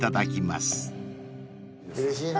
うれしいな。